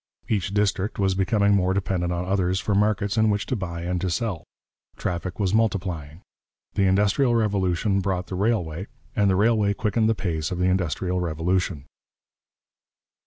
Each district was becoming more dependent on others for markets in which to buy and to sell. Traffic was multiplying. The industrial revolution brought the railway, and the railway quickened the pace of the industrial revolution.